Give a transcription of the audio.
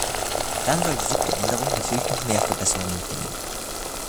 Dann soll die siebte Änderung natürlich noch mehr Verbesserungen bringen.